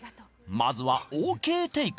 まずはＯＫテイク